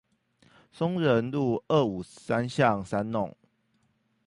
松仁路二五三巷三弄